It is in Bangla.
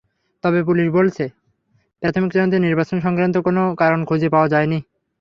তবে পুলিশ বলেছে, প্রাথমিক তদন্তে নির্বাচন-সংক্রান্ত কোনো কারণ খুঁজে পাওয়া যায়নি।